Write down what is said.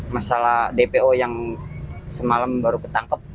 masalah dpo yang semalam baru ketangkep